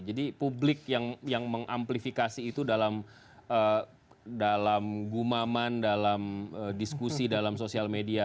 jadi publik yang mengamplifikasi itu dalam gumaman dalam diskusi dalam sosial media